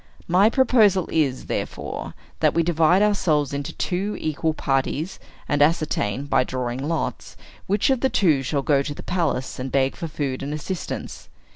My proposal is, therefore, that we divide ourselves into two equal parties, and ascertain, by drawing lots, which of the two shall go to the palace, and beg for food and assistance.